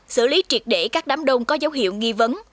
xử lý triệt để các đám đông có dấu hiệu nghi vấn